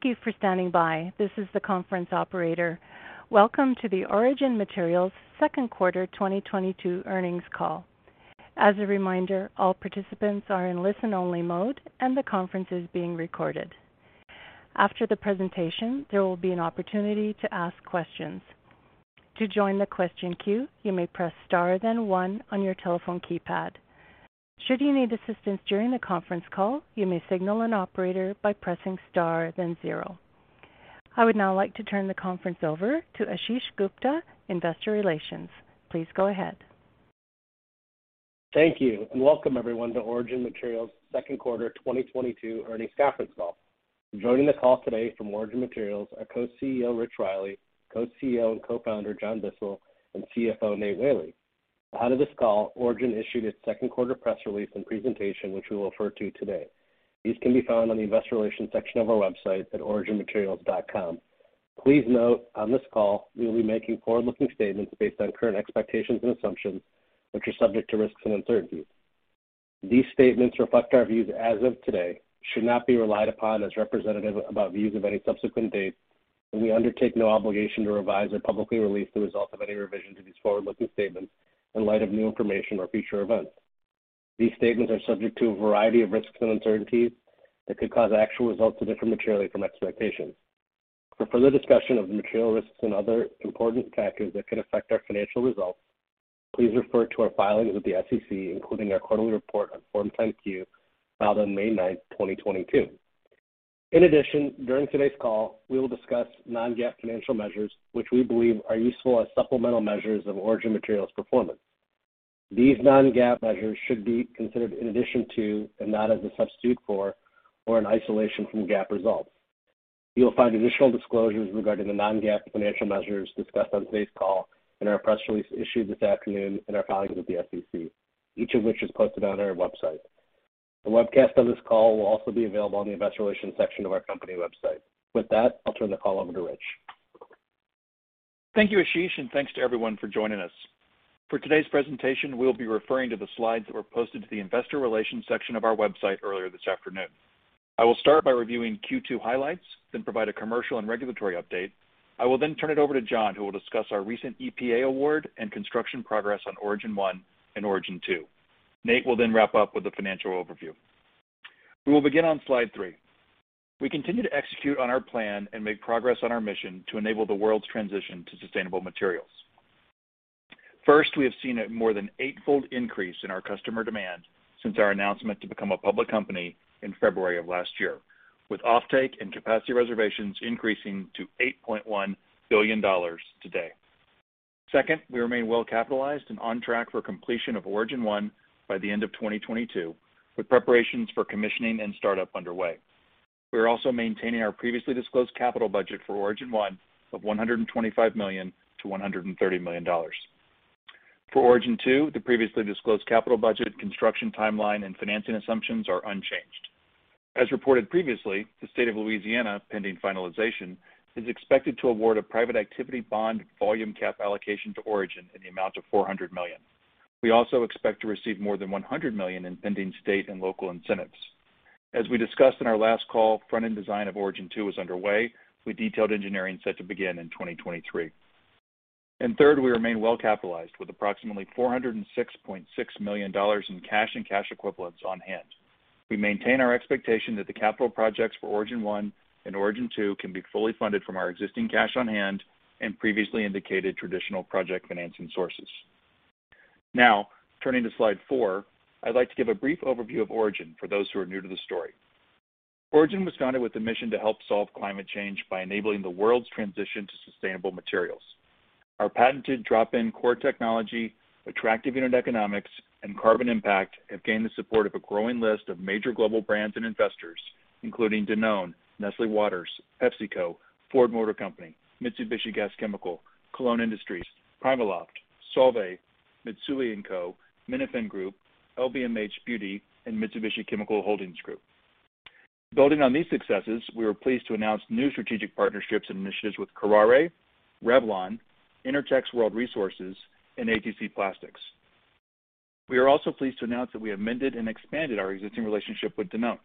Thank you for standing by. This is the conference operator. Welcome to the Origin Materials Second Quarter 2022 earnings call. As a reminder, all participants are in listen-only mode and the conference is being recorded. After the presentation, there will be an opportunity to ask questions. To join the question queue, you may press star then one on your telephone keypad. Should you need assistance during the conference call, you may signal an operator by pressing star then zero. I would now like to turn the conference over to Ashish Gupta, Investor Relations. Please go ahead. Thank you, and welcome everyone to Origin Materials Second Quarter 2022 earnings conference call. Joining the call today from Origin Materials are Co-CEO Rich Riley, Co-CEO and Co-founder John Bissell, and CFO Nate Whaley. Ahead of this call, Origin issued its second quarter press release and presentation, which we will refer to today. These can be found on the investor relations section of our website at originmaterials.com. Please note, on this call we will be making forward-looking statements based on current expectations and assumptions, which are subject to risks and uncertainties. These statements reflect our views as of today, should not be relied upon as representative about views of any subsequent date, and we undertake no obligation to revise or publicly release the results of any revision to these forward-looking statements in light of new information or future events. These statements are subject to a variety of risks and uncertainties that could cause actual results to differ materially from expectations. For further discussion of the material risks and other important factors that could affect our financial results, please refer to our filings with the SEC, including our quarterly report on Form 10-Q filed on May 9th, 2022. In addition, during today's call, we will discuss non-GAAP financial measures, which we believe are useful as supplemental measures of Origin Materials' performance. These non-GAAP measures should be considered in addition to and not as a substitute for or an isolation from GAAP results. You will find additional disclosures regarding the non-GAAP financial measures discussed on today's call in our press release issued this afternoon in our filings with the SEC, each of which is posted on our website. The webcast of this call will also be available on the investor relations section of our company website. With that, I'll turn the call over to Rich. Thank you, Ashish, and thanks to everyone for joining us. For today's presentation, we'll be referring to the slides that were posted to the investor relations section of our website earlier this afternoon. I will start by reviewing Q2 highlights, then provide a commercial and regulatory update. I will then turn it over to John, who will discuss our recent EPA award and construction progress on Origin 1 and Origin 2. Nate will then wrap up with the financial overview. We will begin on slide three. We continue to execute on our plan and make progress on our mission to enable the world's transition to sustainable materials. First, we have seen a more than eight-fold increase in our customer demand since our announcement to become a public company in February of last year, with offtake and capacity reservations increasing to $8.1 billion today. Second, we remain well-capitalized and on track for completion of Origin 1 by the end of 2022, with preparations for commissioning and startup underway. We are also maintaining our previously disclosed capital budget for Origin 1 of $125 million-$130 million. For Origin 2, the previously disclosed capital budget, construction timeline, and financing assumptions are unchanged. As reported previously, the state of Louisiana, pending finalization, is expected to award a private activity bond volume cap allocation to Origin in the amount of $400 million. We also expect to receive more than $100 million in pending state and local incentives. As we discussed in our last call, front-end design of Origin 2 is underway with detailed engineering set to begin in 2023. Third, we remain well capitalized with approximately $406.6 million in cash and cash equivalents on hand. We maintain our expectation that the capital projects for Origin 1 and Origin 2 can be fully funded from our existing cash on hand and previously indicated traditional project financing sources. Now, turning to slide four, I'd like to give a brief overview of Origin for those who are new to the story. Origin was founded with a mission to help solve climate change by enabling the world's transition to sustainable materials. Our patented drop-in core technology, attractive unit economics, and carbon impact have gained the support of a growing list of major global brands and investors, including Danone, Nestlé Waters, PepsiCo, Ford Motor Company, Mitsubishi Gas Chemical, Kolon Industries, PrimaLoft, Solvay, Mitsui & Co., Minfeng Group, LVMH Beauty, and Mitsubishi Chemical Group. Building on these successes, we were pleased to announce new strategic partnerships initiatives with Kuraray, Revlon, Intertex World Resources, and ATC Plastics. We are also pleased to announce that we amended and expanded our existing relationship with Danone.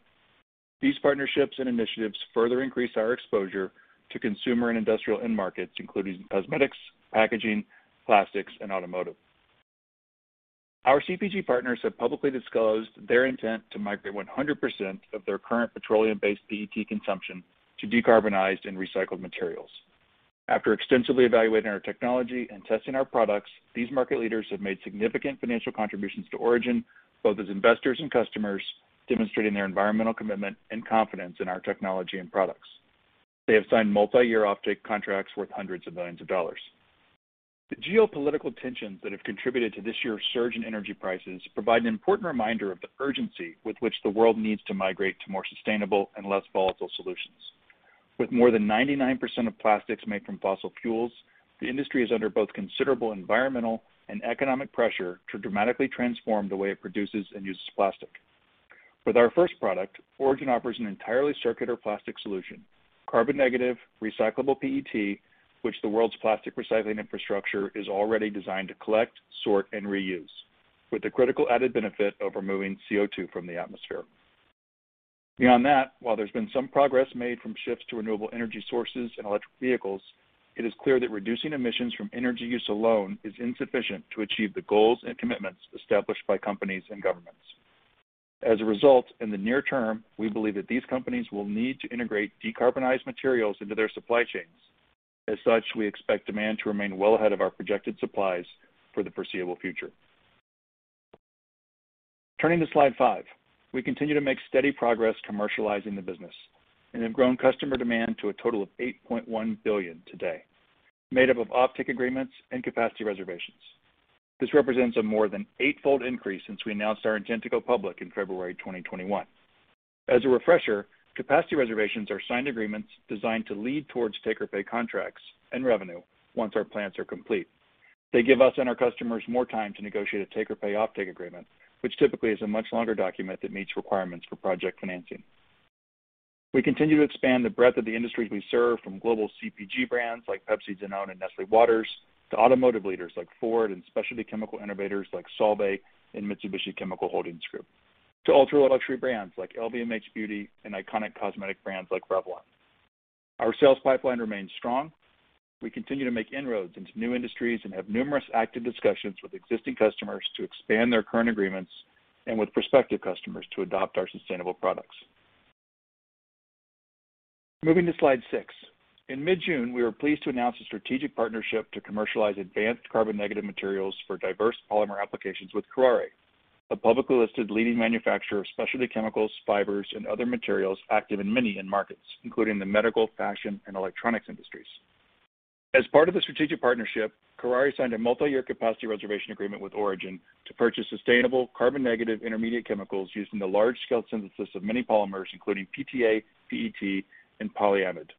These partnerships and initiatives further increase our exposure to consumer and industrial end markets, including cosmetics, packaging, plastics, and automotive. Our CPG partners have publicly disclosed their intent to migrate 100% of their current petroleum-based PET consumption to decarbonized and recycled materials. After extensively evaluating our technology and testing our products, these market leaders have made significant financial contributions to Origin, both as investors and customers, demonstrating their environmental commitment and confidence in our technology and products. They have signed multi-year offtake contracts worth $hundreds of millions. The geopolitical tensions that have contributed to this year's surge in energy prices provide an important reminder of the urgency with which the world needs to migrate to more sustainable and less volatile solutions. With more than 99% of plastics made from fossil fuels, the industry is under both considerable environmental and economic pressure to dramatically transform the way it produces and uses plastic. With our first product, Origin offers an entirely circular plastic solution, carbon negative recyclable PET, which the world's plastic recycling infrastructure is already designed to collect, sort, and reuse. With the critical added benefit of removing CO2 from the atmosphere. Beyond that, while there's been some progress made from shifts to renewable energy sources and electric vehicles, it is clear that reducing emissions from energy use alone is insufficient to achieve the goals and commitments established by companies and governments. As a result, in the near term, we believe that these companies will need to integrate decarbonized materials into their supply chains. As such, we expect demand to remain well ahead of our projected supplies for the foreseeable future. Turning to slide five. We continue to make steady progress commercializing the business and have grown customer demand to a total of $8.1 billion today, made up of offtake agreements and capacity reservations. This represents a more than eight-fold increase since we announced our intent to go public in February 2021. As a refresher, capacity reservations are signed agreements designed to lead towards take-or-pay contracts and revenue once our plants are complete. They give us and our customers more time to negotiate a take-or-pay offtake agreement, which typically is a much longer document that meets requirements for project financing. We continue to expand the breadth of the industries we serve from global CPG brands like Pepsi, Danone, and Nestlé Waters, to automotive leaders like Ford, and specialty chemical innovators like Solvay and Mitsubishi Chemical Group, to ultra-luxury brands like LVMH Beauty and iconic cosmetic brands like Revlon. Our sales pipeline remains strong. We continue to make inroads into new industries and have numerous active discussions with existing customers to expand their current agreements and with prospective customers to adopt our sustainable products. Moving to slide six. In mid-June, we were pleased to announce a strategic partnership to commercialize advanced carbon-negative materials for diverse polymer applications with Kuraray, a publicly listed leading manufacturer of specialty chemicals, fibers, and other materials active in many end markets, including the medical, fashion, and electronics industries. As part of the strategic partnership, Kuraray signed a multi-year capacity reservation agreement with Origin to purchase sustainable carbon-negative intermediate chemicals using the large-scale synthesis of many polymers, including PTA, PET, and polyamide.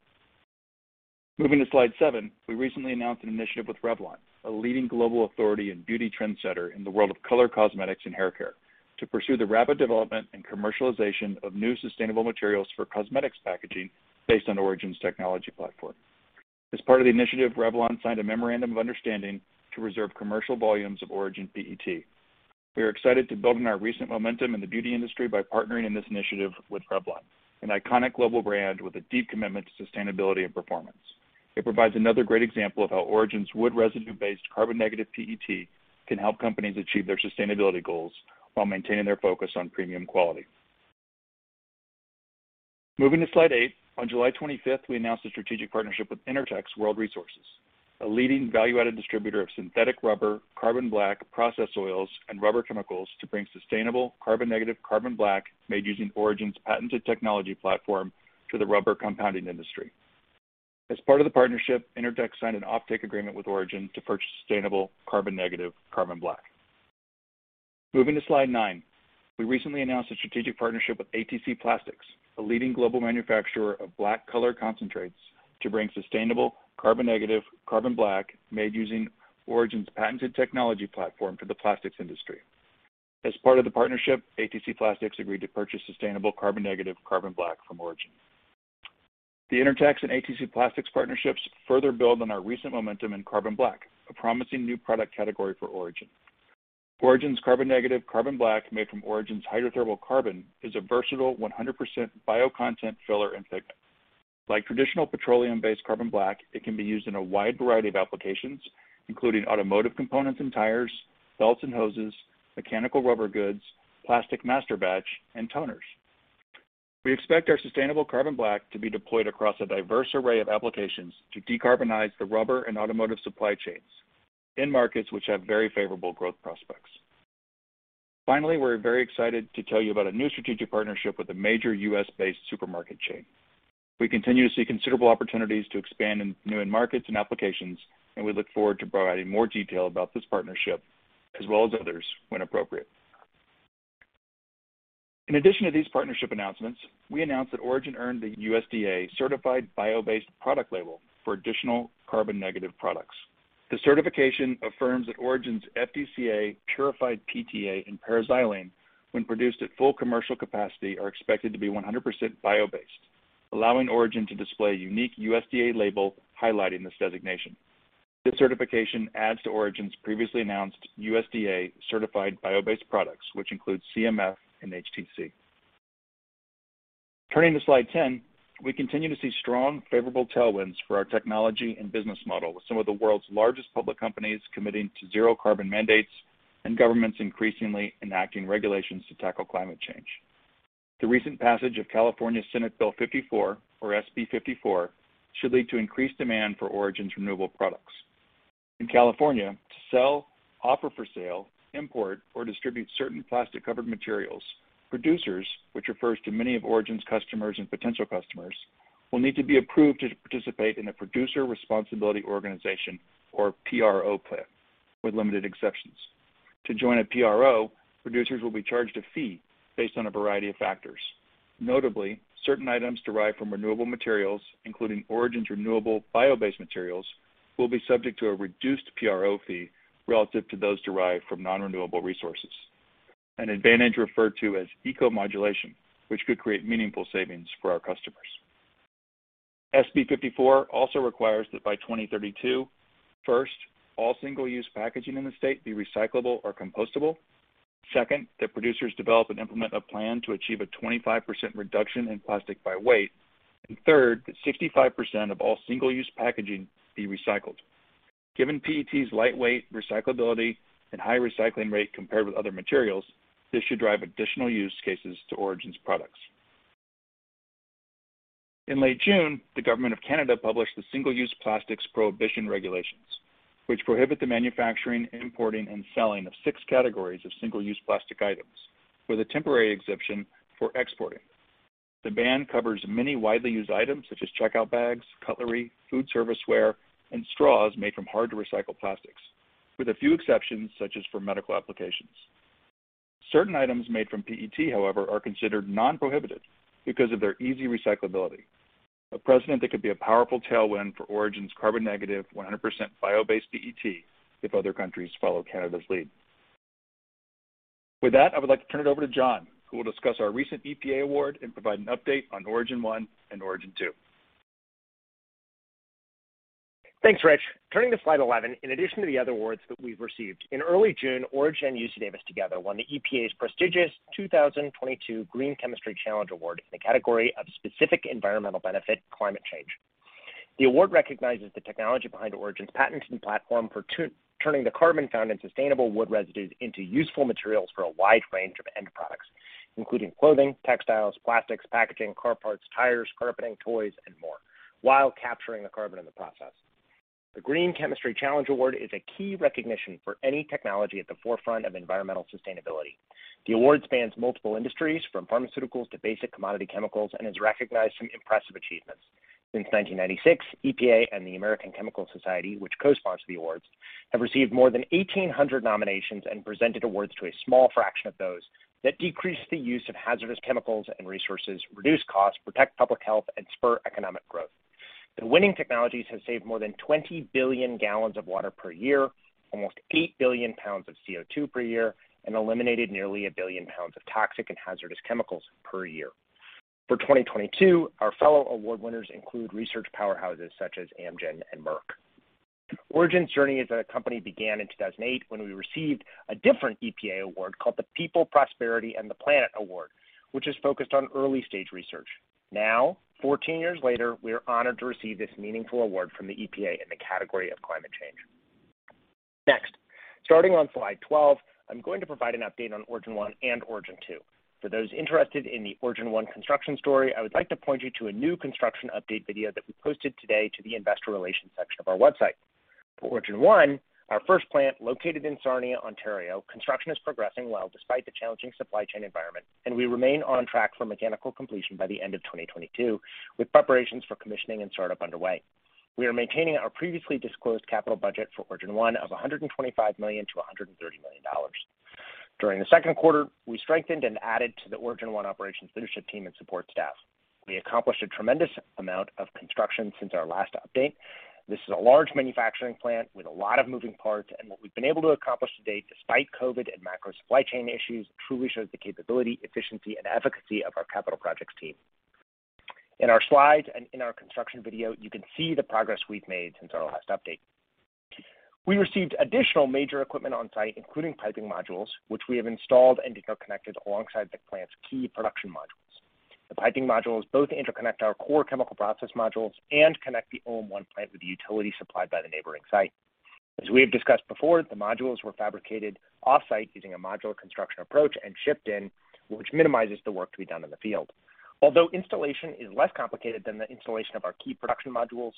Moving to slide seven. We recently announced an initiative with Revlon, a leading global authority and beauty trendsetter in the world of color cosmetics and hair care, to pursue the rapid development and commercialization of new sustainable materials for cosmetics packaging based on Origin's technology platform. As part of the initiative, Revlon signed a memorandum of understanding to reserve commercial volumes of Origin PET. We are excited to build on our recent momentum in the beauty industry by partnering in this initiative with Revlon, an iconic global brand with a deep commitment to sustainability and performance. It provides another great example of how Origin's wood residue-based carbon negative PET can help companies achieve their sustainability goals while maintaining their focus on premium quality. Moving to slide eight. On July 25, we announced a strategic partnership with Intertex World Resources, a leading value-added distributor of synthetic rubber, carbon black, processed oils, and rubber chemicals to bring sustainable carbon-negative carbon black made using Origin's patented technology platform to the rubber compounding industry. As part of the partnership, Intertex signed an offtake agreement with Origin to purchase sustainable carbon-negative carbon black. Moving to slide nine. We recently announced a strategic partnership with ATC Plastics, a leading global manufacturer of black color concentrates to bring sustainable carbon-negative carbon black made using Origin's patented technology platform to the plastics industry. As part of the partnership, ATC Plastics agreed to purchase sustainable carbon-negative carbon black from Origin. The Intertex and ATC Plastics partnerships further build on our recent momentum in carbon black, a promising new product category for Origin. Origin's carbon negative carbon black made from Origin's hydrothermal carbon is a versatile 100% bio content filler and pigment. Like traditional petroleum-based carbon black, it can be used in a wide variety of applications, including automotive components and tires, belts and hoses, mechanical rubber goods, plastic master batch, and toners. We expect our sustainable carbon black to be deployed across a diverse array of applications to decarbonize the rubber and automotive supply chains, end markets which have very favorable growth prospects. Finally, we're very excited to tell you about a new strategic partnership with a major U.S.-based supermarket chain. We continue to see considerable opportunities to expand in new end markets and applications, and we look forward to providing more detail about this partnership, as well as others, when appropriate. In addition to these partnership announcements, we announced that Origin earned the USDA Certified Bio-Based product label for additional carbon negative products. The certification affirms that Origin's FDCA, purified PTA, and paraxylene, when produced at full commercial capacity, are expected to be 100% bio-based, allowing Origin to display a unique USDA label highlighting this designation. This certification adds to Origin's previously announced USDA Certified Bio-Based products, which includes CMF and HTC. Turning to slide ten. We continue to see strong favorable tailwinds for our technology and business model, with some of the world's largest public companies committing to zero carbon mandates and governments increasingly enacting regulations to tackle climate change. The recent passage of California Senate Bill 54, or SB 54, should lead to increased demand for Origin's renewable products. In California, to sell, offer for sale, import, or distribute certain plastic-covered materials, producers, which refers to many of Origin's customers and potential customers, will need to be approved to participate in a producer responsibility organization or PRO plan, with limited exceptions. To join a PRO, producers will be charged a fee based on a variety of factors. Notably, certain items derived from renewable materials, including Origin's renewable bio-based materials, will be subject to a reduced PRO fee relative to those derived from non-renewable resources, an advantage referred to as eco-modulation, which could create meaningful savings for our customers. SB 54 also requires that by 2032, first, all single-use packaging in the state be recyclable or compostable. Second, that producers develop and implement a plan to achieve a 25% reduction in plastic by weight. Third, that 65% of all single-use packaging be recycled. Given PET's lightweight recyclability and high recycling rate compared with other materials, this should drive additional use cases to Origin's products. In late June, the government of Canada published the single-use plastics prohibition regulations, which prohibit the manufacturing, importing, and selling of six categories of single-use plastic items with a temporary exemption for exporting. The ban covers many widely used items such as checkout bags, cutlery, food serviceware, and straws made from hard to recycle plastics, with a few exceptions such as for medical applications. Certain items made from PET, however, are considered non-prohibited because of their easy recyclability. A precedent that could be a powerful tailwind for Origin's carbon -100% bio-based PET if other countries follow Canada's lead. With that, I would like to turn it over to John, who will discuss our recent EPA award and provide an update on Origin One and Origin Two. Thanks, Rich. Turning to slide eleven. In addition to the other awards that we've received, in early June, Origin Materials and UC Davis together won the EPA's prestigious 2022 Green Chemistry Challenge Award in the category of specific environmental benefit climate change. The award recognizes the technology behind Origin's patented platform for turning the carbon found in sustainable wood residues into useful materials for a wide range of end products, including clothing, textiles, plastics, packaging, car parts, tires, carpeting, toys, and more, while capturing the carbon in the process. The Green Chemistry Challenge Award is a key recognition for any technology at the forefront of environmental sustainability. The award spans multiple industries, from pharmaceuticals to basic commodity chemicals, and has recognized some impressive achievements. Since 1996, EPA and the American Chemical Society, which co-sponsored the awards, have received more than 1,800 nominations and presented awards to a small fraction of those that decrease the use of hazardous chemicals and resources, reduce costs, protect public health, and spur economic growth. The winning technologies have saved more than 20 billion gallons of water per year, almost 8 billion pounds of CO2 per year, and eliminated nearly 1 billion pounds of toxic and hazardous chemicals per year. For 2022, our fellow award winners include research powerhouses such as Amgen and Merck. Origin's journey as a company began in 2008 when we received a different EPA award called the People, Prosperity and the Planet Award, which is focused on early-stage research. Now, 14 years later, we are honored to receive this meaningful award from the EPA in the category of climate change. Next, starting on slide 12, I'm going to provide an update on Origin One and Origin Two. For those interested in the Origin One construction story, I would like to point you to a new construction update video that we posted today to the investor relations section of our website. For Origin One, our first plant located in Sarnia, Ontario, construction is progressing well despite the challenging supply chain environment, and we remain on track for mechanical completion by the end of 2022, with preparations for commissioning and startup underway. We are maintaining our previously disclosed capital budget for Origin One of $125 million-$130 million. During the second quarter, we strengthened and added to the Origin One operations leadership team and support staff. We accomplished a tremendous amount of construction since our last update. This is a large manufacturing plant with a lot of moving parts, and what we've been able to accomplish to date, despite COVID and macro supply chain issues, truly shows the capability, efficiency, and efficacy of our capital projects team. In our slides and in our construction video, you can see the progress we've made since our last update. We received additional major equipment on site, including piping modules, which we have installed and interconnected alongside the plant's key production modules. The piping modules both interconnect our core chemical process modules and connect the Origin 1 plant with the utility supplied by the neighboring site. As we have discussed before, the modules were fabricated off-site using a modular construction approach and shipped in, which minimizes the work to be done in the field. Although installation is less complicated than the installation of our key production modules,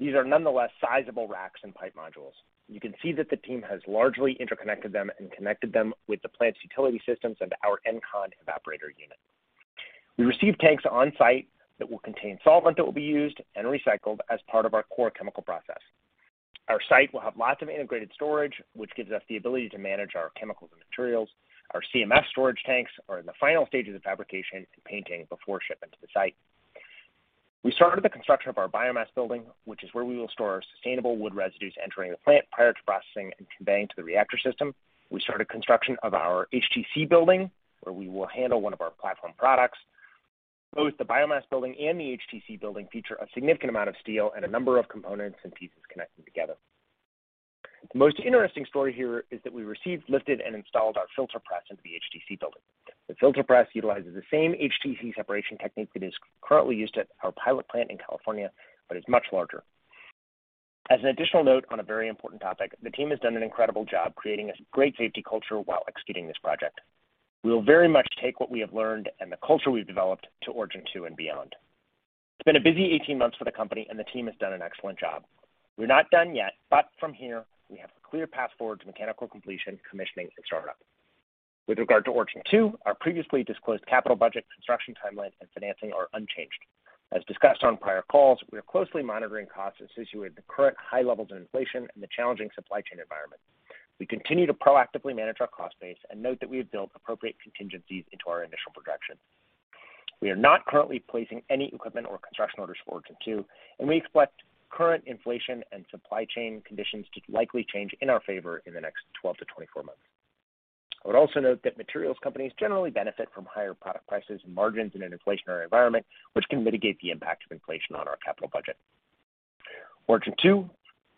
these are nonetheless sizable racks and pipe modules. You can see that the team has largely interconnected them and connected them with the plant's utility systems and our ENCON evaporator unit. We received tanks on site that will contain solvent that will be used and recycled as part of our core chemical process. Our site will have lots of integrated storage, which gives us the ability to manage our chemicals and materials. Our CMF storage tanks are in the final stages of fabrication and painting before shipment to the site. We started the construction of our biomass building, which is where we will store our sustainable wood residues entering the plant prior to processing and conveying to the reactor system. We started construction of our HTC building, where we will handle one of our platform products. Both the biomass building and the HTC building feature a significant amount of steel and a number of components and pieces connected together. The most interesting story here is that we received, lifted, and installed our filter press into the HTC building. The filter press utilizes the same HTC separation technique that is currently used at our pilot plant in California, but is much larger. As an additional note on a very important topic, the team has done an incredible job creating a great safety culture while executing this project. We will very much take what we have learned and the culture we've developed to Origin 2and beyond. It's been a busy 18 months for the company and the team has done an excellent job. We're not done yet, but from here we have a clear path forward to mechanical completion, commissioning, and startup. With regard to Origin 2, our previously disclosed capital budget, construction timeline, and financing are unchanged. As discussed on prior calls, we are closely monitoring costs associated with the current high levels of inflation and the challenging supply chain environment. We continue to proactively manage our cost base and note that we have built appropriate contingencies into our initial projection. We are not currently placing any equipment or construction orders for Origin 2, and we expect current inflation and supply chain conditions to likely change in our favor in the next 12-24 months. I would also note that materials companies generally benefit from higher product prices and margins in an inflationary environment, which can mitigate the impact of inflation on our capital budget. Origin 2,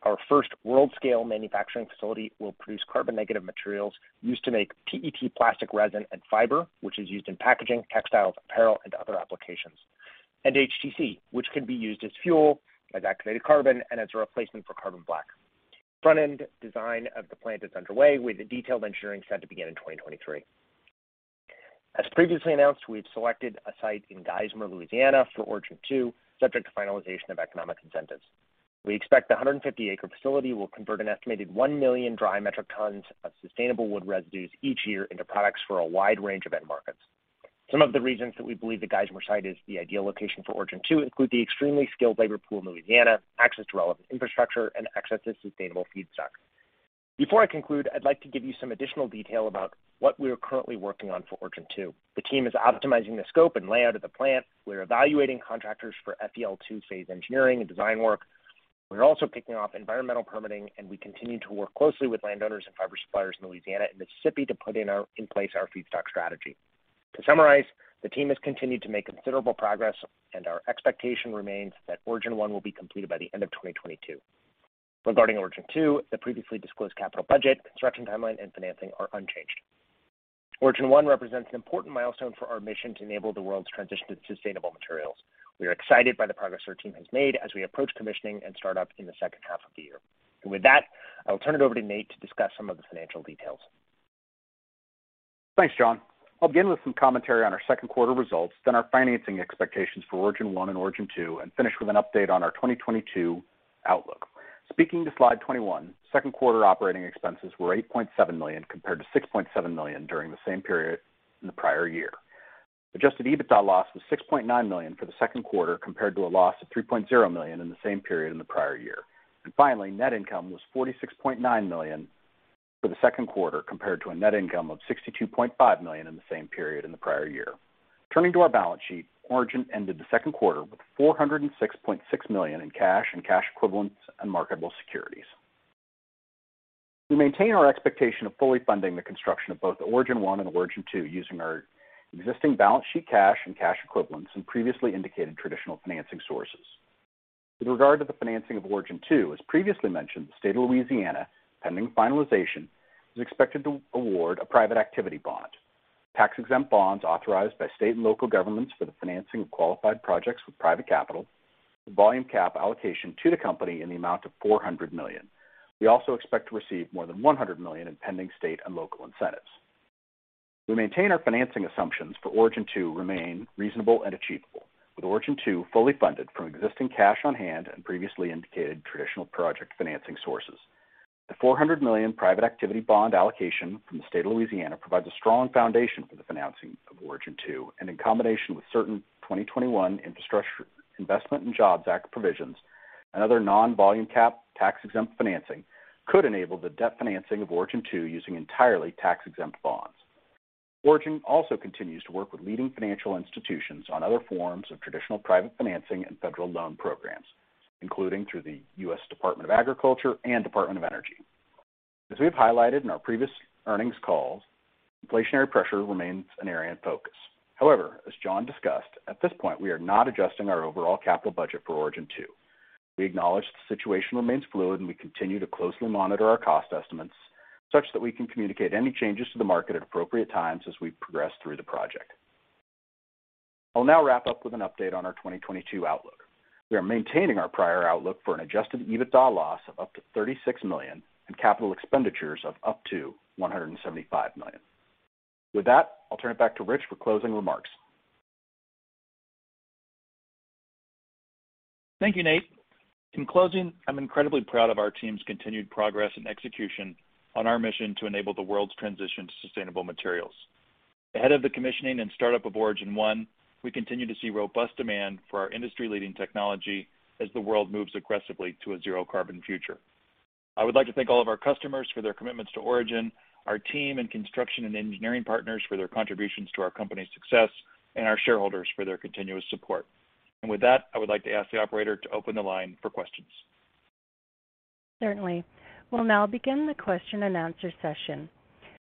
our first world-scale manufacturing facility will produce carbon negative materials used to make PET plastic resin and fiber, which is used in packaging, textiles, apparel and other applications. HTC, which can be used as fuel, as activated carbon, and as a replacement for carbon black. Front-end design of the plant is underway, with the detailed engineering set to begin in 2023. As previously announced, we have selected a site in Geismar, Louisiana for Origin 2, subject to finalization of economic incentives. We expect the 150-acre facility will convert an estimated 1 million dry metric tons of sustainable wood residues each year into products for a wide range of end markets. Some of the reasons that we believe the Geismar site is the ideal location for Origin 2 include the extremely skilled labor pool in Louisiana, access to relevant infrastructure and access to sustainable feedstock. Before I conclude, I'd like to give you some additional detail about what we are currently working on for Origin 2. The team is optimizing the scope and layout of the plant. We're evaluating contractors for FEL 2 phase engineering and design work. We're also kicking off environmental permitting, and we continue to work closely with landowners and fiber suppliers in Louisiana and Mississippi to put in place our feedstock strategy. To summarize, the team has continued to make considerable progress, and our expectation remains that Origin 1 will be completed by the end of 2022. Regarding Origin 2, the previously disclosed capital budget, construction timeline and financing are unchanged. Origin 1 represents an important milestone for our mission to enable the world's transition to sustainable materials. We are excited by the progress our team has made as we approach commissioning and startup in the second half of the year. With that, I'll turn it over to Nate to discuss some of the financial details. Thanks, John. I'll begin with some commentary on our second quarter results, then our financing expectations for Origin 1 and Origin 2, and finish with an update on our 2022 outlook. Speaking to slide 21, second quarter operating expenses were $8.7 million, compared to $6.7 million during the same period in the prior year. Adjusted EBITDA loss was $6.9 million for the second quarter, compared to a loss of $3.0 million in the same period in the prior year. Finally, net income was $46.9 million for the second quarter, compared to a net income of $62.5 million in the same period in the prior year. Turning to our balance sheet, Origin ended the second quarter with $406.6 million in cash and cash equivalents and marketable securities. We maintain our expectation of fully funding the construction of both Origin 1 and Origin 2 using our existing balance sheet cash and cash equivalents and previously indicated traditional financing sources. With regard to the financing of Origin 2, as previously mentioned, the State of Louisiana, pending finalization, is expected to award a private activity bond. Tax-exempt bonds authorized by state and local governments for the financing of qualified projects with private capital. The volume cap allocation to the company in the amount of $400 million. We also expect to receive more than $100 million in pending state and local incentives. We maintain our financing assumptions for Origin 2 remain reasonable and achievable. With Origin 2 fully funded from existing cash on hand and previously indicated traditional project financing sources. The $400 million private activity bond allocation from the state of Louisiana provides a strong foundation for the financing of Origin 2, and in combination with certain 2021 Infrastructure Investment and Jobs Act provisions and other non-volume cap tax-exempt financing could enable the debt financing of Origin 2 using entirely tax-exempt bonds. Origin also continues to work with leading financial institutions on other forms of traditional private financing and federal loan programs, including through the U.S. Department of Agriculture and Department of Energy. As we have highlighted in our previous earnings calls, inflationary pressure remains an area in focus. However, as John discussed, at this point we are not adjusting our overall capital budget for Origin 2. We acknowledge the situation remains fluid and we continue to closely monitor our cost estimates such that we can communicate any changes to the market at appropriate times as we progress through the project. I'll now wrap up with an update on our 2022 outlook. We are maintaining our prior outlook for an adjusted EBITDA loss of up to $36 million and capital expenditures of up to $175 million. With that, I'll turn it back to Rich for closing remarks. Thank you, Nate. In closing, I'm incredibly proud of our team's continued progress and execution on our mission to enable the world's transition to sustainable materials. Ahead of the commissioning and startup of Origin One, we continue to see robust demand for our industry-leading technology as the world moves aggressively to a zero carbon future. I would like to thank all of our customers for their commitments to Origin, our team and construction and engineering partners for their contributions to our company's success and our shareholders for their continuous support. With that, I would like to ask the operator to open the line for questions. Certainly. We'll now begin the question and answer session.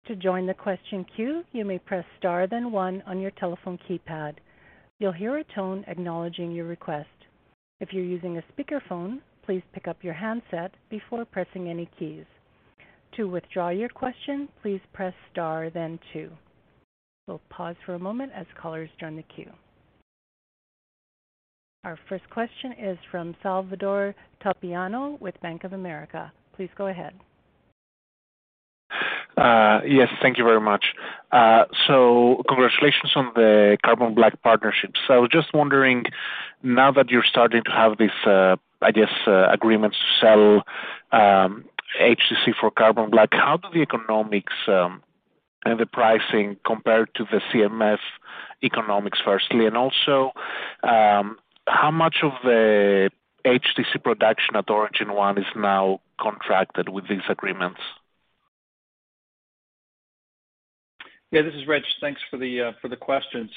To join the question queue, you may press star then one on your telephone keypad. You'll hear a tone acknowledging your request. If you're using a speakerphone, please pick up your handset before pressing any keys. To withdraw your question, please press star then two. We'll pause for a moment as callers join the queue. Our first question is from Salvatore Tiano with Bank of America. Please go ahead. Yes, thank you very much. Congratulations on the carbon black partnership. Just wondering, now that you're starting to have this, I guess, agreement to sell HTC for carbon black, how do the economics and the pricing compare to the CMF economics, firstly? Also, how much of the HTC production at Origin 1 is now contracted with these agreements? Yeah, this is Rich. Thanks for the question.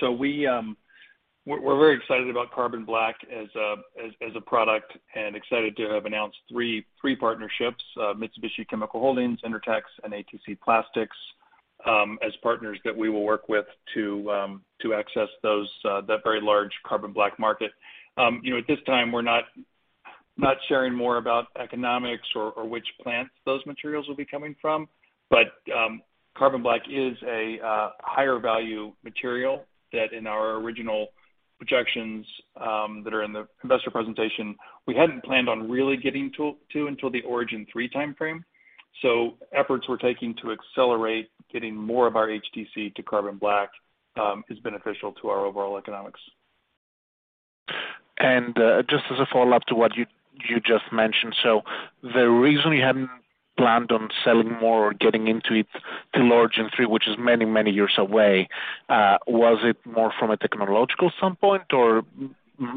We're very excited about carbon black as a product and excited to have announced three partnerships, Mitsubishi Chemical Group, Intertex and ATC Plastics, as partners that we will work with to access that very large carbon black market. You know, at this time, we're not sharing more about economics or which plants those materials will be coming from. Carbon black is a higher value material that in our original projections that are in the investor presentation, we hadn't planned on really getting to until the Origin-3 timeframe. Efforts we're taking to accelerate getting more of our HTC to carbon black is beneficial to our overall economics. Just as a follow-up to what you just mentioned, so the reason we hadn't planned on selling more or getting into it till Origin 3, which is many, many years away, was it more from a technological standpoint or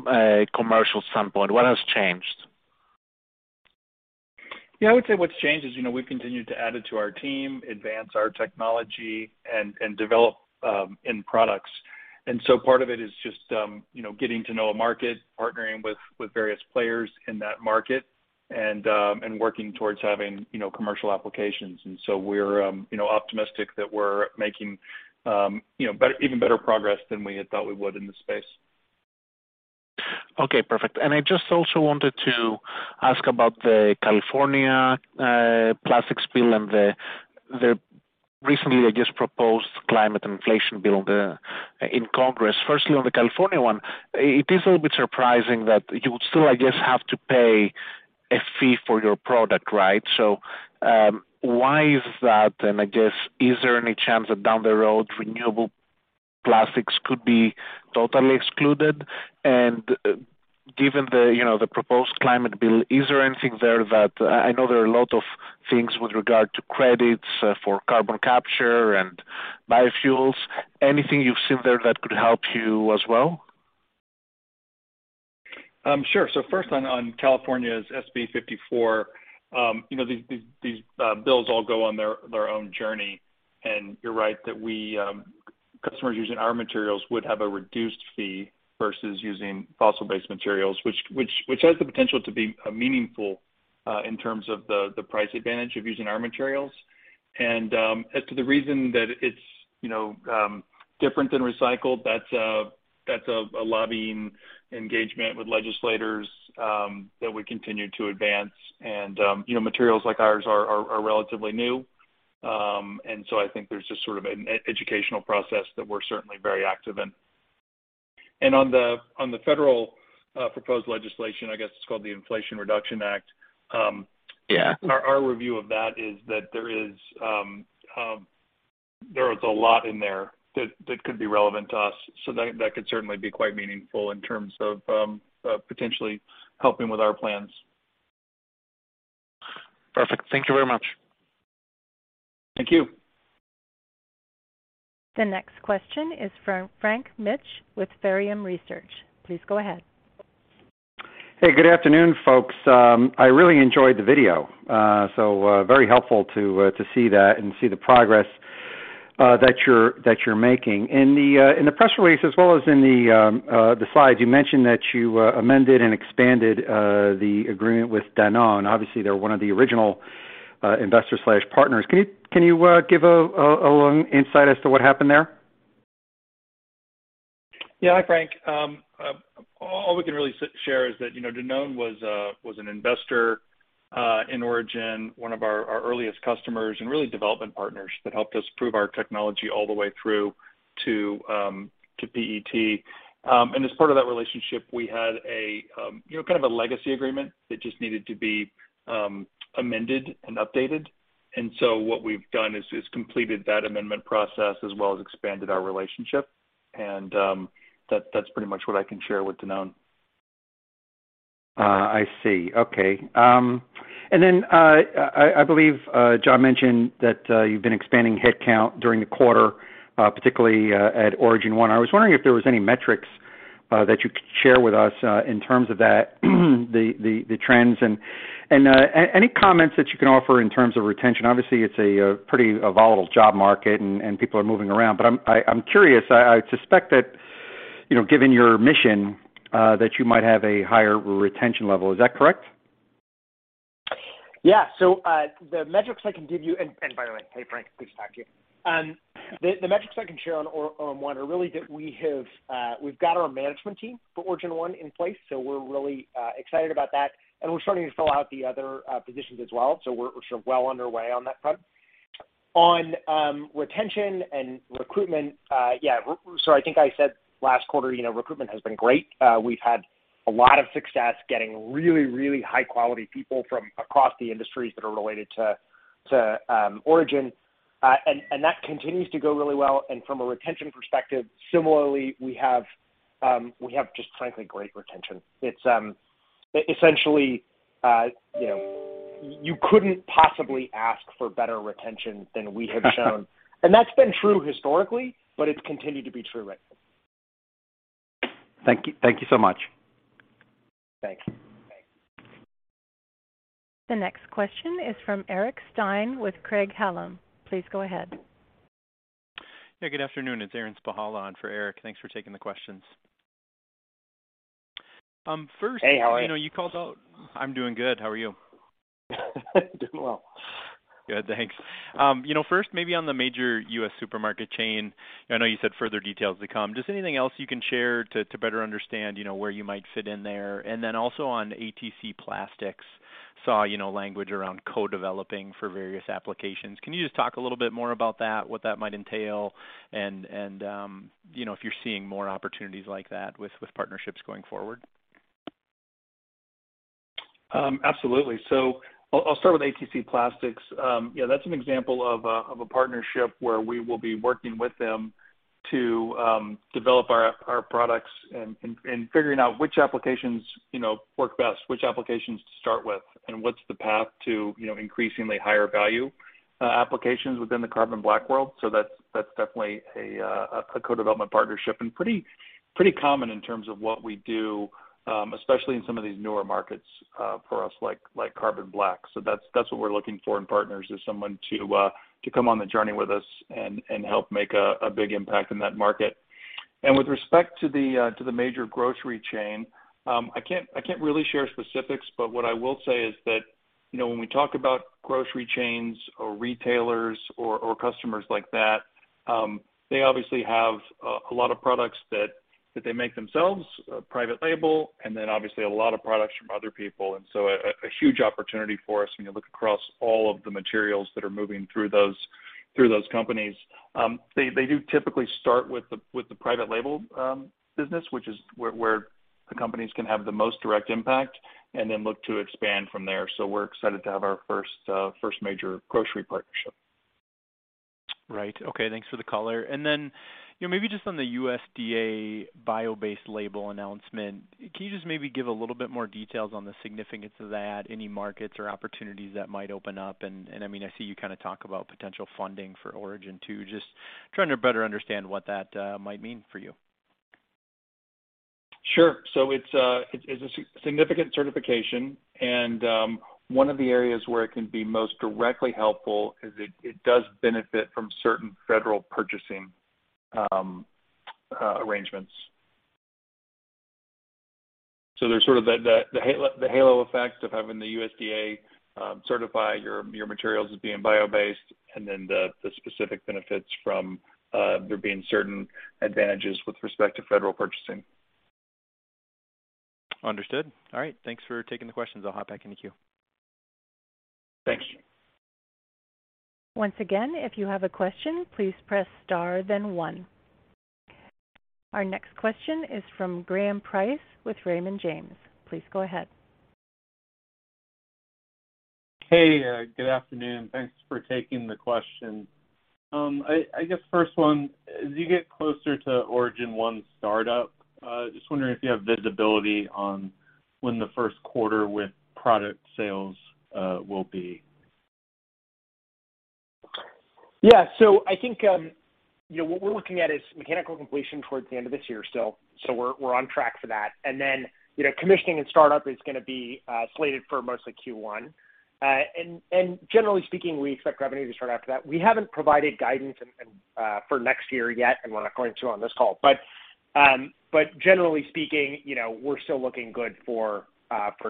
a commercial standpoint? What has changed? Yeah, I would say what's changed is, you know, we've continued to add it to our team, advance our technology. and develop end products. Part of it is just, you know, getting to know a market, partnering with various players in that market and working towards having, you know, commercial applications. We're, you know, optimistic that we're making, you know, better even better progress than we had thought we would in this space. Okay, perfect. I just also wanted to ask about the California plastic bill and the recently proposed Inflation Reduction Act there in Congress. Firstly, on the California one, it is a little bit surprising that you would still, I guess, have to pay a fee for your product, right? Why is that? I guess, is there any chance that down the road, renewable plastics could be totally excluded? Given, you know, the proposed Inflation Reduction Act, is there anything there? I know there are a lot of things with regard to credits for carbon capture and biofuels. Anything you've seen there that could help you as well? Sure. First on California's SB 54, you know, these bills all go on their own journey. You're right that we customers using our materials would have a reduced fee versus using fossil-based materials, which has the potential to be meaningful in terms of the price advantage of using our materials. As to the reason that it's, you know, different than recycled, that's a lobbying engagement with legislators that we continue to advance. You know, materials like ours are relatively new. I think there's just sort of an educational process that we're certainly very active in. On the federal proposed legislation, I guess it's called the Inflation Reduction Act. Yeah. Our review of that is that there is a lot in there that could be relevant to us. That could certainly be quite meaningful in terms of potentially helping with our plans. Perfect. Thank you very much. Thank you. The next question is from Frank Mitsch with Fermium Research. Please go ahead. Hey, good afternoon, folks. I really enjoyed the video. So very helpful to see that and see the progress that you're making. In the press release as well as in the slides, you mentioned that you amended and expanded the agreement with Danone. Obviously, they're one of the original investor/partners. Can you give a little insight as to what happened there? Yeah. Hi, Frank. All we can really share is that, you know, Danone was an investor in Origin, one of our earliest customers and really development partners that helped us prove our technology all the way through to PET. As part of that relationship, we had a, you know, kind of a legacy agreement that just needed to be amended and updated. What we've done is completed that amendment process as well as expanded our relationship. That's pretty much what I can share with Danone. I see. Okay. I believe John mentioned that you've been expanding headcount during the quarter, particularly at Origin 1. I was wondering if there was any metrics that you could share with us in terms of that, the trends. Any comments that you can offer in terms of retention. Obviously, it's a pretty volatile job market and people are moving around. I'm curious. I suspect that, you know, given your mission, that you might have a higher retention level. Is that correct? The metrics I can give you. By the way, hey, Frank, please talk to you. The metrics I can share on Origin 1 are really that we have, we've got our management team for Origin 1 in place, so we're really excited about that. We're starting to fill out the other positions as well. We're sort of well underway on that front. On retention and recruitment, yeah, so I think I said last quarter, you know, recruitment has been great. We've had a lot of success getting really high quality people from across the industries that are related to Origin. That continues to go really well. From a retention perspective, similarly, we have just frankly great retention. It's essentially, you know, you couldn't possibly ask for better retention than we have shown. That's been true historically, but it's continued to be true lately. Thank you, thank you so much. Thanks. The next question is from Eric Stine with Craig-Hallum. Please go ahead. Yeah, good afternoon. It's Aaron Spychalla on for Eric Stine. Thanks for taking the questions. First- Hey, how are you? You know, you called out. I'm doing good. How are you? Doing well. Good, thanks. You know, first maybe on the major U.S. supermarket chain, I know you said further details to come. Just anything else you can share to better understand, you know, where you might fit in there. Then also on ATC Plastics, saw, you know, language around co-developing for various applications. Can you just talk a little bit more about that, what that might entail and, you know, if you're seeing more opportunities like that with partnerships going forward? Absolutely. I'll start with ATC Plastics. Yeah, that's an example of a partnership where we will be working with them to develop our products and figuring out which applications, you know, work best, which applications to start with, and what's the path to, you know, increasingly higher value applications within the carbon black world. That's definitely a co-development partnership and pretty common in terms of what we do, especially in some of these newer markets for us, like carbon black. That's what we're looking for in partners is someone to come on the journey with us and help make a big impact in that market. With respect to the major grocery chain, I can't really share specifics, but what I will say is that, you know, when we talk about grocery chains or retailers or customers like that, they obviously have a lot of products that they make themselves, private label, and then obviously a lot of products from other people. A huge opportunity for us when you look across all of the materials that are moving through those companies. They do typically start with the private label business, which is where the companies can have the most direct impact and then look to expand from there. We're excited to have our first major grocery partnership. Right. Okay. Thanks for the color. Then, you know, maybe just on the USDA bio-based label announcement, can you just maybe give a little bit more details on the significance of that, any markets or opportunities that might open up? I mean, I see you kinda talk about potential funding for Origin 2, just trying to better understand what that might mean for you. Sure. It's a significant certification, and one of the areas where it can be most directly helpful is it does benefit from certain federal purchasing arrangements. There's sort of the halo effect of having the USDA certify your materials as being bio-based and then the specific benefits from there being certain advantages with respect to federal purchasing. Understood. All right. Thanks for taking the questions. I'll hop back in the queue. Thanks. Once again, if you have a question, please press star then one. Our next question is from Graham Price with Raymond James. Please go ahead. Hey, good afternoon. Thanks for taking the question. I guess first one, as you get closer to Origin 1 startup, just wondering if you have visibility on when the first quarter with product sales will be. Yeah. I think, you know, what we're looking at is mechanical completion towards the end of this year still. We're on track for that. Then, you know, commissioning and startup is gonna be slated for mostly Q1. Generally speaking, we expect revenue to start after that. We haven't provided guidance and for next year yet, and we're not going to on this call. Generally speaking, you know, we're still looking good for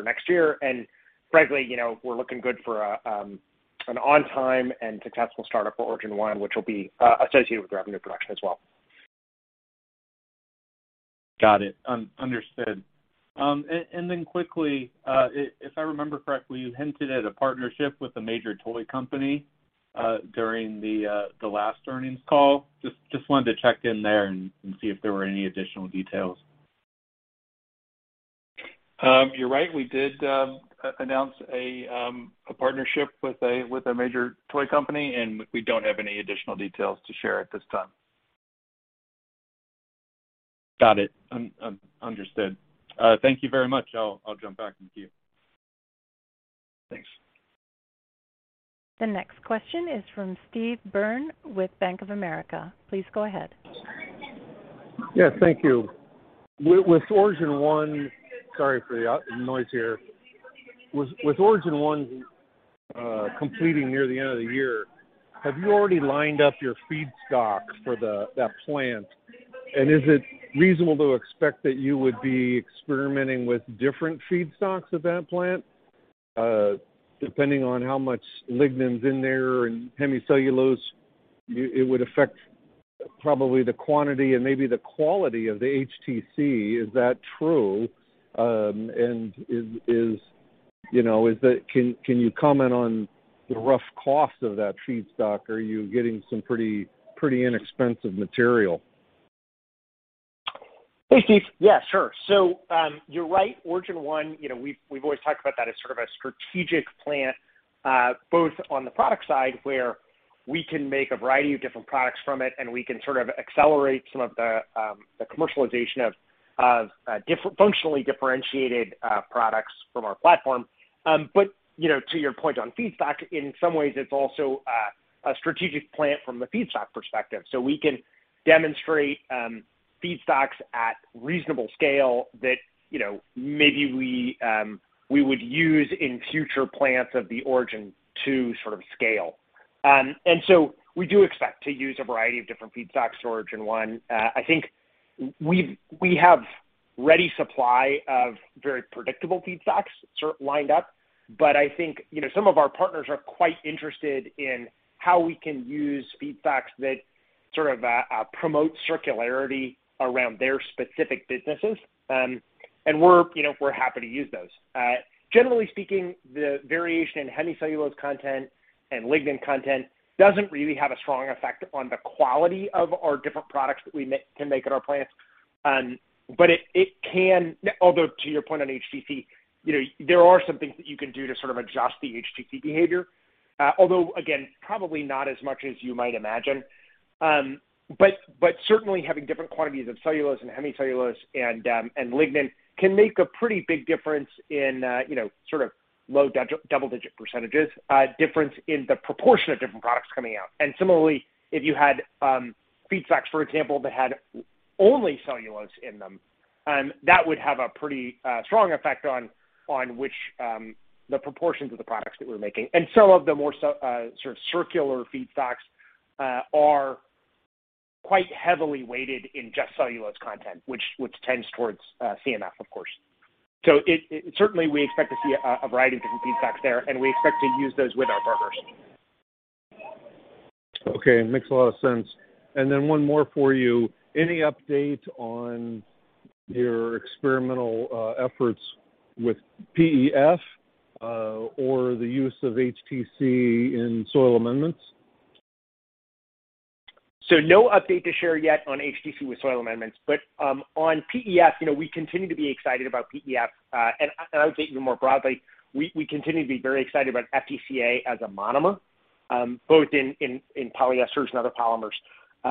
next year. Frankly, you know, we're looking good for an on time and successful startup for Origin 1, which will be associated with revenue production as well. Got it. Understood. Quickly, if I remember correctly, you hinted at a partnership with a major toy company during the last earnings call. Just wanted to check in there and see if there were any additional details. You're right. We did announce a partnership with a major toy company, and we don't have any additional details to share at this time. Got it. Understood. Thank you very much. I'll jump back in the queue. Thanks. The next question is from Steve Byrne with Bank of America. Please go ahead. Yeah, thank you. With Origin 1... Sorry for the noise here. With Origin 1 completing near the end of the year, have you already lined up your feedstock for that plant? Is it reasonable to expect that you would be experimenting with different feedstocks at that plant? Depending on how much lignin's in there and hemicellulose, it would affect probably the quantity and maybe the quality of the HTC. Is that true? And, you know, is it? Can you comment on the rough cost of that feedstock? Are you getting some pretty inexpensive material? Hey, Steve. Yeah, sure. You're right. Origin 1, you know, we've always talked about that as sort of a strategic plant, both on the product side, where we can make a variety of different products from it, and we can sort of accelerate some of the commercialization of functionally differentiated products from our platform. You know, to your point on feedstock, in some ways, it's also a strategic plant from the feedstock perspective. We can demonstrate feedstocks at reasonable scale that, you know, maybe we would use in future plants of the Origin 2 sort of scale. We do expect to use a variety of different feedstock sources at Origin 1. I think we have ready supply of very predictable feedstocks sort of lined up. I think, you know, some of our partners are quite interested in how we can use feedstocks that sort of promote circularity around their specific businesses. We're, you know, happy to use those. Generally speaking, the variation in hemicellulose content and lignin content doesn't really have a strong effect on the quality of our different products that we can make at our plants. It can, although to your point on HTC, you know, there are some things that you can do to sort of adjust the HTC behavior. Although again, probably not as much as you might imagine. Certainly having different quantities of cellulose and hemicellulose and lignin can make a pretty big difference in, you know, sort of low double-digit percentages difference in the proportion of different products coming out. Similarly, if you had feedstocks, for example, that had only cellulose in them, that would have a pretty strong effect on the proportions of the products that we're making. Some of the more sort of circular feedstocks are quite heavily weighted in just cellulose content, which tends towards CMF, of course. Certainly we expect to see a variety of different feedstocks there, and we expect to use those with our partners. Okay. Makes a lot of sense. One more for you. Any update on your experimental efforts with PEF or the use of HTC in soil amendments? No update to share yet on HTC with soil amendments, but on PEF, you know, we continue to be excited about PEF. I would say even more broadly, we continue to be very excited about FDCA as a monomer, both in polyesters and other polymers.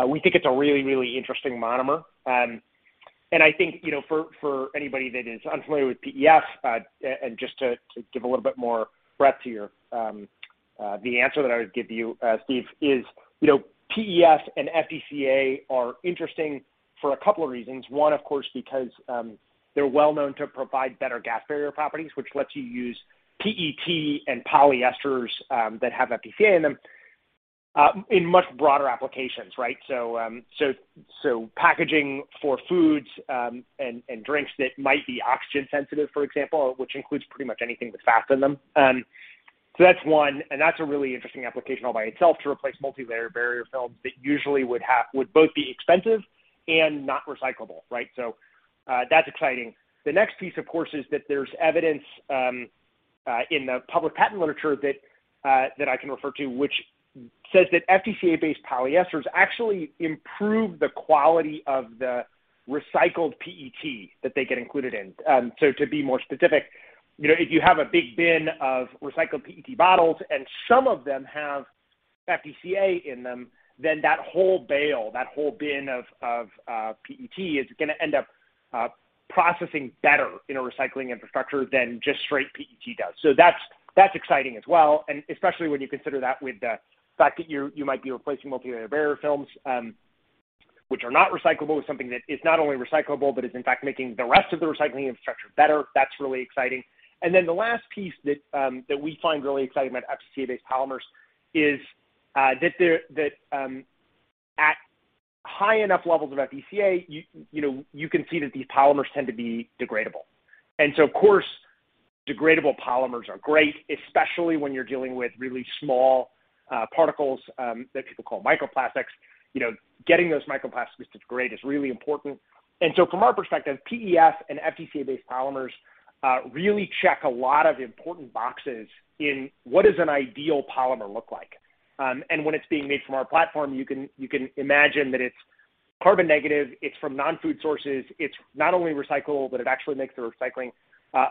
We think it's a really interesting monomer. I think, you know, for anybody that is unfamiliar with PEF, and just to give a little bit more breadth here, the answer that I would give you, Steve, is, you know, PEF and FDCA are interesting for a couple of reasons. One, of course, because they're well known to provide better gas barrier properties, which lets you use PET and polyesters that have FDCA in them in much broader applications, right? Packaging for foods, and drinks that might be oxygen sensitive, for example, which includes pretty much anything with fat in them. That's one, and that's a really interesting application all by itself to replace multilayer barrier films that usually would both be expensive and not recyclable, right? That's exciting. The next piece, of course, is that there's evidence in the public patent literature that I can refer to, which says that FDCA-based polyesters actually improve the quality of the recycled PET that they get included in. To be more specific, you know, if you have a big bin of recycled PET bottles and some of them have FDCA in them, then that whole bale, that whole bin of PET is gonna end up processing better in a recycling infrastructure than just straight PET does. That's exciting as well. Especially when you consider that with the fact that you might be replacing multilayer barrier films, which are not recyclable, with something that is not only recyclable, but is in fact making the rest of the recycling infrastructure better. That's really exciting. The last piece that we find really exciting about FDCA-based polymers is that at high enough levels of FDCA, you know, you can see that these polymers tend to be degradable. Of course, degradable polymers are great, especially when you're dealing with really small particles that people call microplastics. You know, getting those microplastics to degrade is really important. From our perspective, PEF and FDCA-based polymers really check a lot of important boxes in what does an ideal polymer look like. When it's being made from our platform, you can imagine that it's carbon negative, it's from non-food sources, it's not only recyclable, but it actually makes the recycling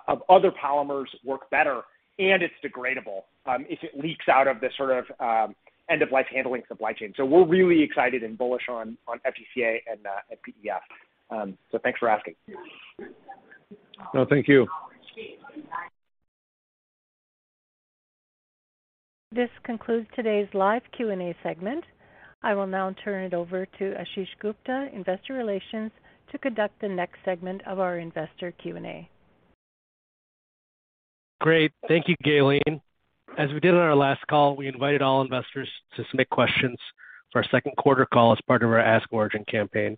of other polymers work better, and it's degradable if it leaks out of the sort of end-of-life handling supply chain. We're really excited and bullish on FDCA and PEF. Thanks for asking. No, thank you. This concludes today's live Q&A segment. I will now turn it over to Ashish Gupta, Investor Relations, to conduct the next segment of our investor Q&A. Great. Thank you, Galen. As we did on our last call, we invited all investors to submit questions for our second quarter call as part of our Ask Origin campaign.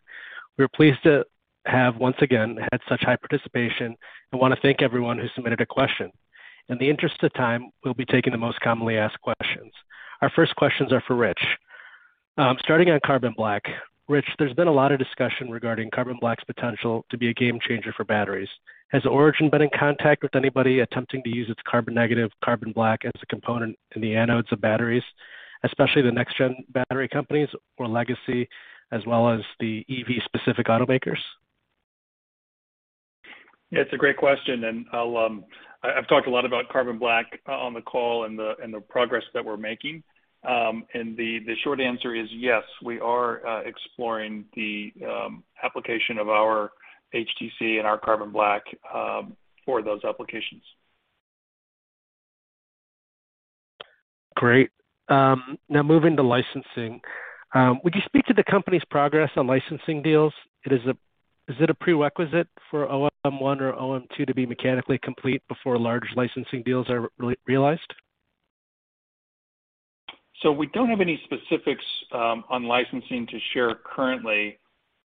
We are pleased to have once again had such high participation and wanna thank everyone who submitted a question. In the interest of time, we'll be taking the most commonly asked questions. Our first questions are for Rich. Starting on carbon black. Rich, there's been a lot of discussion regarding carbon black's potential to be a game changer for batteries. Has Origin been in contact with anybody attempting to use its carbon negative carbon black as a component in the anodes of batteries, especially the next gen battery companies or legacy, as well as the EV specific automakers? It's a great question, and I've talked a lot about carbon black on the call and the progress that we're making. The short answer is yes, we are exploring the application of our HTC and our carbon black for those applications. Great. Now moving to licensing. Would you speak to the company's progress on licensing deals? Is it a prerequisite for Origin 1 or Origin 2 to be mechanically complete before large licensing deals are realized? We don't have any specifics on licensing to share currently,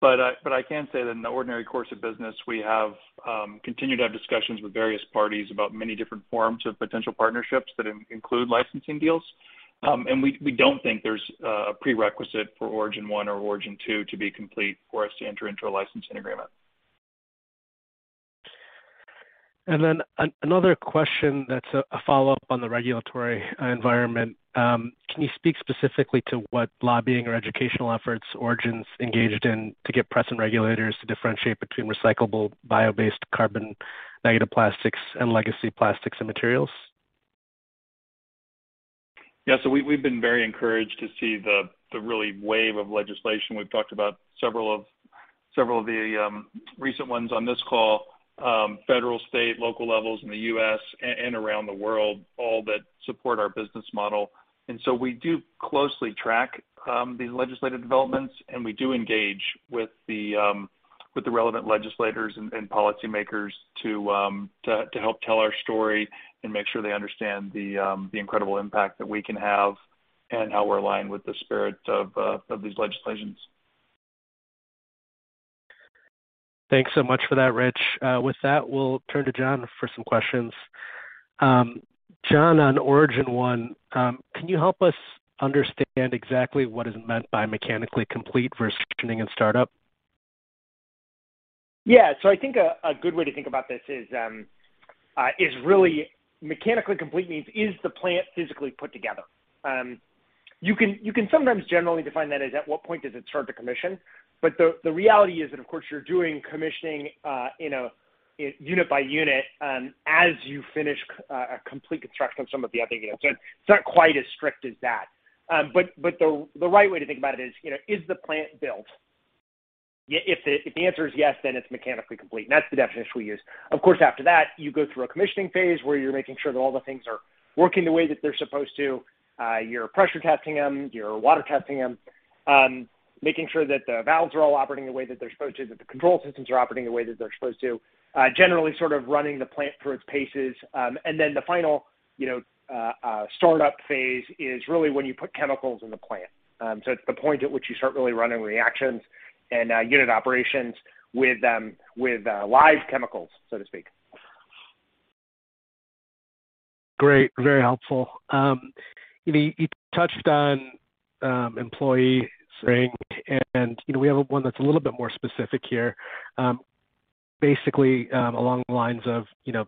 but I can say that in the ordinary course of business, we have continued to have discussions with various parties about many different forms of potential partnerships that include licensing deals. We don't think there's a prerequisite for Origin 1 or Origin 2 to be complete for us to enter into a licensing agreement. Another question that's a follow-up on the regulatory environment. Can you speak specifically to what lobbying or educational efforts Origin's engaged in to get present regulators to differentiate between recyclable bio-based carbon negative plastics and legacy plastics and materials? Yeah. We've been very encouraged to see the real wave of legislation. We've talked about several of the recent ones on this call, federal, state, local levels in the U.S. and around the world, all that support our business model. We do closely track these legislative developments, and we do engage with the relevant legislators and policymakers to help tell our story and make sure they understand the incredible impact that we can have and how we're aligned with the spirit of these legislations. Thanks so much for that, Rich. With that, we'll turn to John for some questions. John, on Origin 1, can you help us understand exactly what is meant by mechanically complete versus commissioning and start up? Yeah. I think a good way to think about this is really mechanically complete means the plant physically put together. You can sometimes generally define that as at what point does it start to commission. The reality is that, of course, you're doing commissioning, you know, unit by unit, as you finish a complete construction of some of the other units. It's not quite as strict as that. The right way to think about it is, you know, is the plant built? If the answer is yes, then it's mechanically complete, and that's the definition we use. Of course, after that, you go through a commissioning phase where you're making sure that all the things are working the way that they're supposed to. You're pressure testing them, you're water testing them, making sure that the valves are all operating the way that they're supposed to, that the control systems are operating the way that they're supposed to. Generally sort of running the plant through its paces. The final, you know, start up phase is really when you put chemicals in the plant. It's the point at which you start really running reactions and unit operations with live chemicals, so to speak. Great. Very helpful. You touched on ESG, and you know, we have one that's a little bit more specific here. Basically, along the lines of, you know,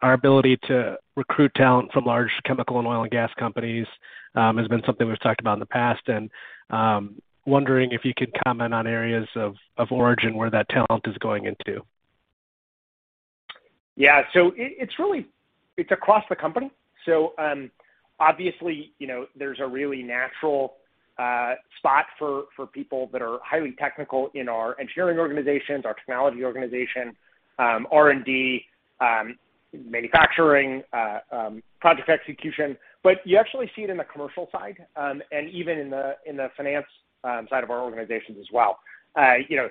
our ability to recruit talent from large chemical and oil and gas companies has been something we've talked about in the past. Wondering if you could comment on areas of Origin where that talent is going into? Yeah. It's really across the company. Obviously, you know, there's a really natural spot for people that are highly technical in our engineering organizations, our technology organization, R&D, manufacturing, project execution. You actually see it in the commercial side, and even in the finance side of our organizations as well. You know,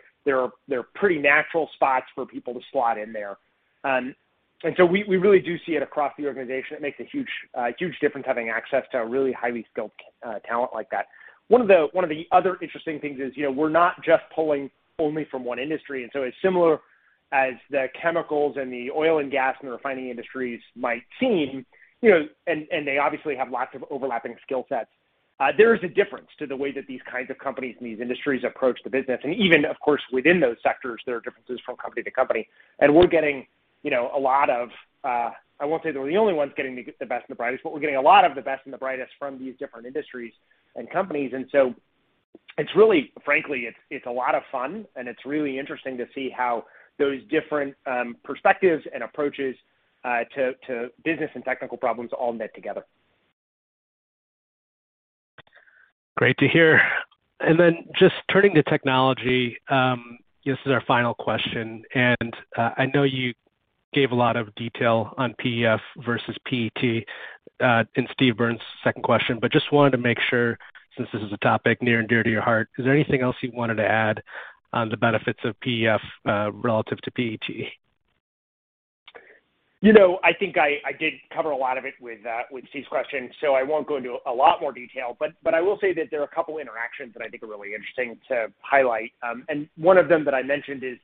there are pretty natural spots for people to slot in there. We really do see it across the organization. It makes a huge difference having access to a really highly skilled talent like that. One of the other interesting things is, you know, we're not just pulling only from one industry. As similar as the chemicals and the oil and gas and refining industries might seem, you know, and they obviously have lots of overlapping skill sets, there is a difference to the way that these kinds of companies in these industries approach the business. Even, of course, within those sectors, there are differences from company to company. We're getting, you know, a lot of, I won't say that we're the only ones getting the best and the brightest, but we're getting a lot of the best and the brightest from these different industries and companies. It's really, frankly, it's a lot of fun, and it's really interesting to see how those different perspectives and approaches to business and technical problems all net together. Great to hear. Just turning to technology, this is our final question, and I know you gave a lot of detail on PEF versus PET in Steve Byrne's second question. Just wanted to make sure, since this is a topic near and dear to your heart, is there anything else you wanted to add on the benefits of PEF relative to PET? You know, I think I did cover a lot of it with Steve's question, so I won't go into a lot more detail. I will say that there are a couple interactions that I think are really interesting to highlight. One of them that I mentioned is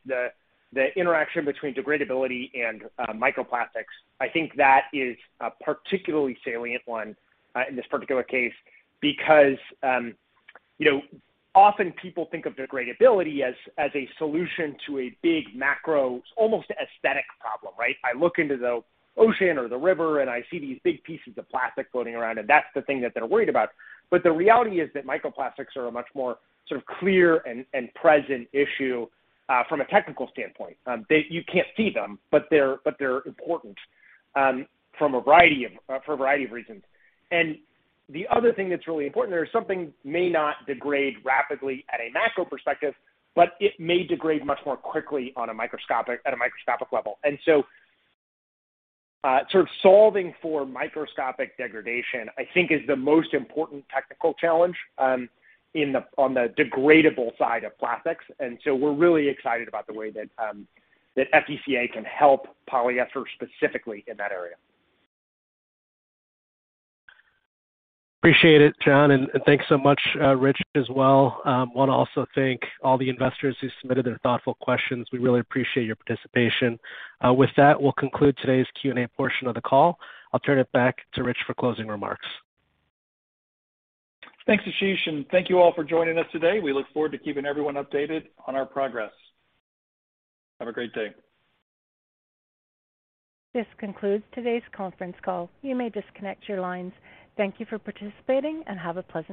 the interaction between degradability and microplastics. I think that is a particularly salient one in this particular case, because you know, often people think of degradability as a solution to a big macro, almost aesthetic problem, right? I look into the ocean or the river, and I see these big pieces of plastic floating around, and that's the thing that they're worried about. The reality is that microplastics are a much more sort of clear and present issue from a technical standpoint. You can't see them, but they're important for a variety of reasons. The other thing that's really important there is something may not degrade rapidly at a macro perspective, but it may degrade much more quickly at a microscopic level. Sort of solving for microscopic degradation, I think, is the most important technical challenge on the degradable side of plastics. We're really excited about the way that FDCA can help polyester specifically in that area. Appreciate it, John, and thanks so much, Rich, as well. Wanna also thank all the investors who submitted their thoughtful questions. We really appreciate your participation. With that, we'll conclude today's Q&A portion of the call. I'll turn it back to Rich for closing remarks. Thanks, Ashish, and thank you all for joining us today. We look forward to keeping everyone updated on our progress. Have a great day. This concludes today's conference call. You may disconnect your lines. Thank you for participating and have a pleasant rest of your day.